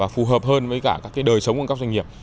phù hợp hơn với cả các đời sống của các doanh nghiệp